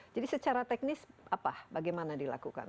jadi secara teknis apa bagaimana dilakukan